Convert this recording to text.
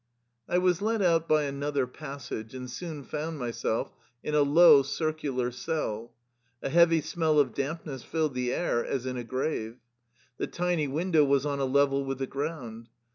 I was led out by another passage, and soon found myself in a low, circular cell. A heavy smell of dampness filled the air, as in a grave. The tiny window was on a level with the ground.